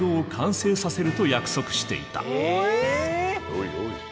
おいおい。